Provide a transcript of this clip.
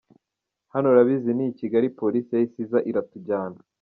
Hano urabizi ni i Kigali polisi yahise iza iratujyana.